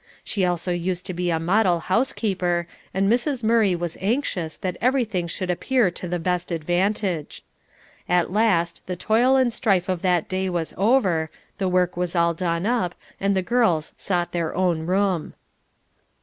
She also used to be a model housekeeper, and Mrs. Murray was anxious that everything should appear to the best advantage. At last the toil and strife of that day was over, the work was all done up and the girls sought their own room.